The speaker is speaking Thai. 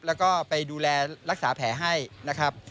แล้วก็ไปดูแลรักษาแผลให้นะครับ